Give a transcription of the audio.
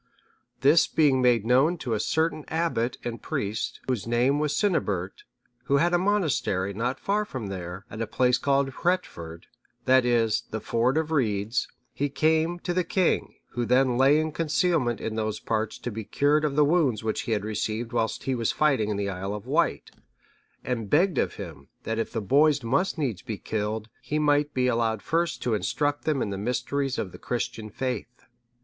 This being made known to a certain abbot and priest, whose name was Cynibert, who had a monastery not far from there, at a place called Hreutford,(640) that is, the Ford of Reeds, he came to the king, who then lay in concealment in those parts to be cured of the wounds which he had received whilst he was fighting in the Isle of Wight, and begged of him, that if the boys must needs be killed, he might be allowed first to instruct them in the mysteries of the Christian faith.